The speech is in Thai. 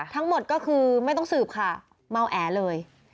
ทั้งหมดก็คือไม่ต้องสืบค่ะเมาแอเลย